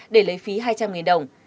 để lấy phí hai trăm linh nghìn đồng